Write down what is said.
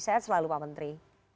sehat selalu pak menteri